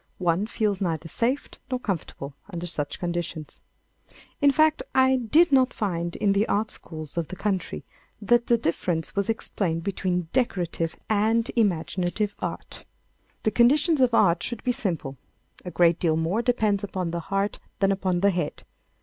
One feels neither safe nor comfortable under such conditions. In fact, I did not find in the art schools of the country that the difference was explained between decorative and imaginative art. The conditions of art should be simple. A great deal more depends upon the heart than upon the head.